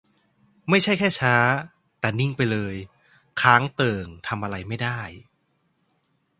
ไม่ใช่แค่ช้า แต่นิ่งไปเลย ค้างเติ่ง ทำอะไรไม่ได้